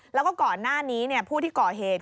แล้วก็ก่อนหน้านี้ผู้ที่ก่อเหตุ